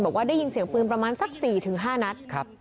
บอกว่าได้ยินเสียงปืนประมาณสักสี่ถึงห้านัดครับ